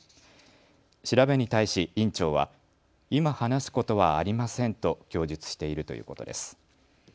調べに対し院長は今話すことはありませんと供述しているということです。